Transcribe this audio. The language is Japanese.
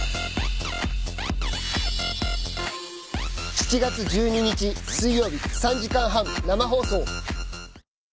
７月１２日水曜日３時間半生放送。